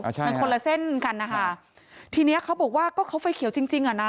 มันคนละเส้นเหมือนกันนะคะทีนี้เขาบอกว่าก็เขาไฟเขียวจริงอะนะ